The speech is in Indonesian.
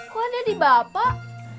kok ada di bapak